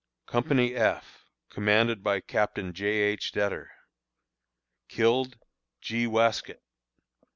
Company F, commanded by Captain J. H. Dettor. Killed: G. Wescott.